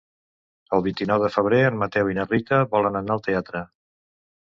El vint-i-nou de febrer en Mateu i na Rita volen anar al teatre.